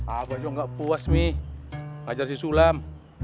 apa dong gak puas nih ngajar si sulam